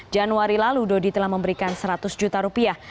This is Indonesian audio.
januari lalu dodi telah memberikan seratus juta rupiah